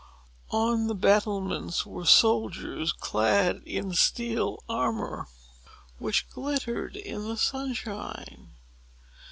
On the battlements were soldiers clad in steel armor, which glittered in the sunshine.